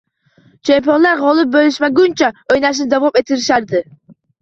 Chempionlar g’olib bo’lishmagunicha o’ynashni davom ettirishadi